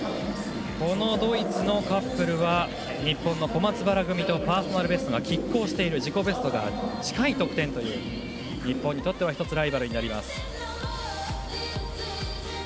このドイツのカップルは日本の小松原組とパーソナルベストがきっ抗している自己ベストが近い得点という日本にとってはライバルになります。